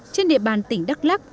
trên địa bàn tỉnh đắk lắc